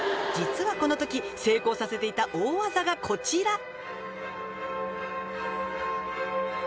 実はこの時成功させていた大技がこちら